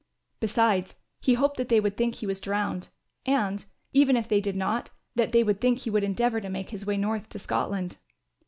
Besides, he hoped that they would think he was drowned and, even if they did not, that they would think he would endeavour to make his way north to Scotland.